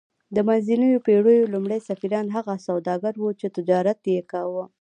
د منځنیو پیړیو لومړي سفیران هغه سوداګر وو چې تجارت یې کاوه